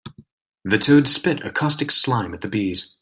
The toad spit a caustic slime at the bees.